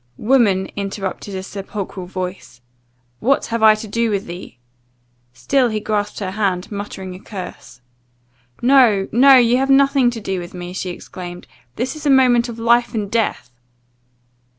"Woman," interrupted a sepulchral voice, "what have I to do with thee?" Still he grasped her hand, muttering a curse. "No, no; you have nothing to do with me," she exclaimed, "this is a moment of life and death!"